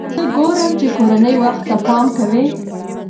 زه ګورم چې کورنۍ وخت ته پام کوي.